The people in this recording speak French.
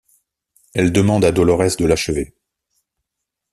Elle demande à Dolores de l’achever.